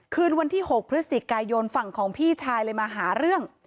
คืนวันที่๖พฤศจิกายนฝั่งของพี่ชายเลยมาหาเรื่อง